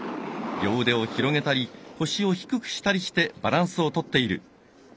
両腕を広げたり腰を低くしたりしてバランスをとっている。